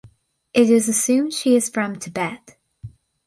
It is assumed she is from Tibet.